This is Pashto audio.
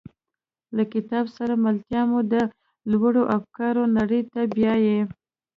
له کتاب سره ملتیا مو د لوړو افکارو نړۍ ته بیایي.